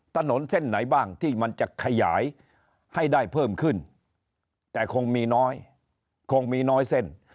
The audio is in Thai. ถนนเส้นไหนบ้างที่มันจะขยายให้ได้เพิ่มขึ้นแต่คงมีน้อยคงมีน้อยเส้น